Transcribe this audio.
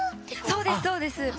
そうですそうです。ね！